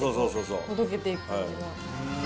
ほどけていく感じの。